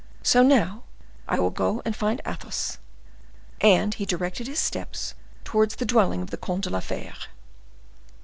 So, now I will go and find Athos." And he directed his steps towards the dwelling of the Comte de la Fere.